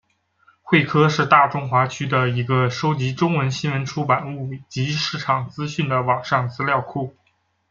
慧科是大中华区的一个收集中文新闻出版物及市场资讯的网上资料库。